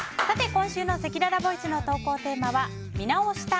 今週のせきららボイスの投稿テーマは見直した＆